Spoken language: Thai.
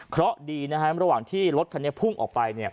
เพราะดีนะครับระหว่างที่รถคันพุ่งออกไป